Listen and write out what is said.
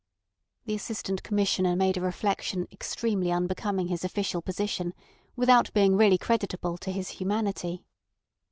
The Assistant Commissioner made a reflection extremely unbecoming his official position without being really creditable to his humanity.